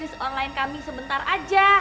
bisnis online kami sebentar aja